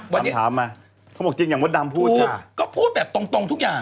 วันนี้ถามมาเขาบอกจริงอย่างมดดำพูดก็พูดแบบตรงทุกอย่าง